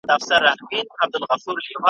یو څو ورځي یې لا ووهل زورونه ,